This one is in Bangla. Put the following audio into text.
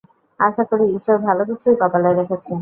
আশা করি ঈশ্বর ভালো কিছুই কপালে রেখেছেন।